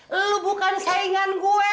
lo bukan saingan gue